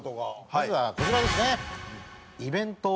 まずはこちらですね。